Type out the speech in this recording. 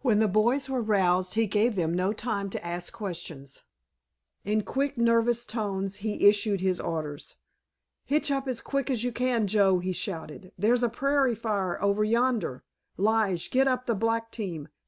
When the boys were roused he gave them no time to ask questions. In quick, nervous tones he issued his orders. "Hitch up as quick as you can, Joe," he shouted, "there's a prairie fire over yonder! Lige, get up the black team.